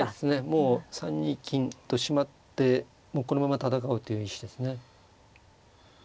もう３二金と締まってこのまま戦おうという意思ですね。